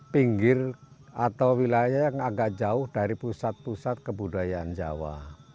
pinggir atau wilayah yang agak jauh dari pusat pusat kebudayaan jawa